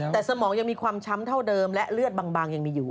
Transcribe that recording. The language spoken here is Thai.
แต่สมองยังมีความช้ำเท่าเดิมและเลือดบางยังมีอยู่